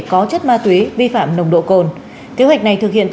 có chất ma túy vi phạm nồng độ cồn